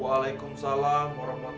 waalaikumsalam warahmatullah ya barakatu